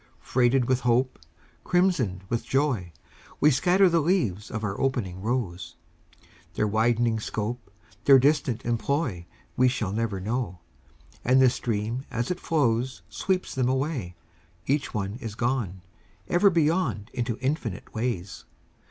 Freighted with hope, Crimsoned with joy, We scatter the leaves of our opening rose; Their widening scope, Their distant employ, We never shall know. And the stream as it flows Sweeps them away, Each one is gone Ever beyond into infinite ways.